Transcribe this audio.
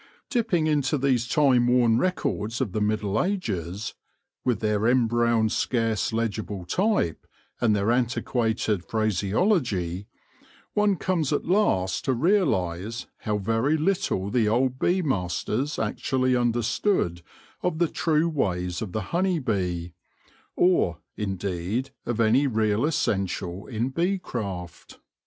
Dipping into these time worn records of the Middle Ages, with their embrowned, scarce legible type and their antiquated phraseology, one comes at last to realise how very little the old bee masters actually understood of the true ways of the honey bee, or, indeed, of any real essential in bee craft.